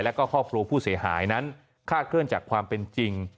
แล้วก็ครอบครัวผู้เสียหายนั้นคาดเคลื่อนจากความเป็นจริง